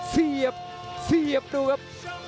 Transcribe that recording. เสียบเสียบดูครับ